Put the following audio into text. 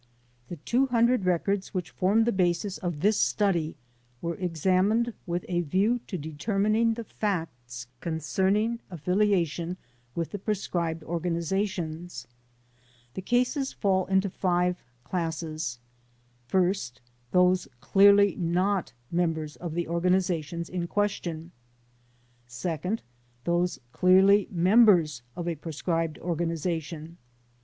The two hundred records which form the basis of this study were examined with a view to determining the facts concerning affiliation with the proscribed organi 52 TH£ DEPORTATION CASES zations. The cases fall into five classes : First: Those clearly not members of the organizations in question. Second: Those clearly members of a proscribed or ganization.